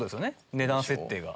値段設定が。